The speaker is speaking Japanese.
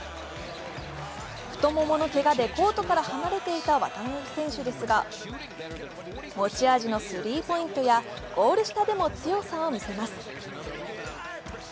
太もものけがでコートから離れていた渡邊選手ですが持ち味のスリーポイントやゴール下でも強さを見せます。